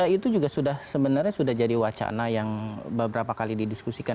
itu juga sudah sebenarnya sudah jadi wacana yang beberapa kali didiskusikan